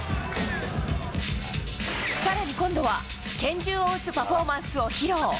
更に今度は、拳銃を撃つパフォーマンスを披露。